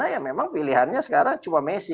ya memang pilihannya sekarang cuma messi